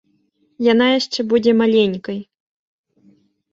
Яна яшчэ будзе маленькай.